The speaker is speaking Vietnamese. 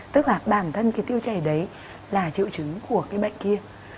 tức là bản thân tiêu chảy đấy là triệu chứng của bệnh kia